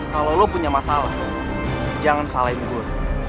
kalo lo punya masalah jangan salahin gua